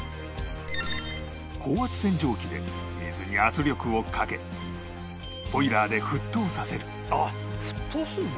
高圧洗浄機で水に圧力をかけボイラーで沸騰させるあっ沸騰するの？